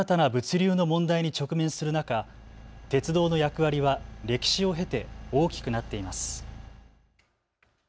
日本が新たな物流の問題に直面する中、鉄道の役割は歴史を経て大きくなっています。